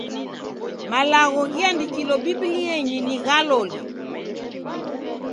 Malagho ghiandikilo Bibilienyi ni gha loli.